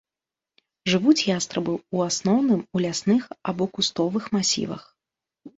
Жывуць ястрабы ў асноўным у лясных або кустовых масівах.